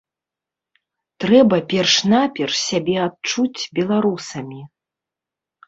Трэба перш-наперш сябе адчуць беларусамі.